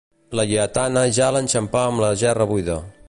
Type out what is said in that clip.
Laietana ja l'enxampà amb la gerra buida.